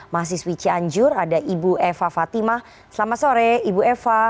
mahasiswi cianjur ada ibu eva fatimah selamat sore ibu eva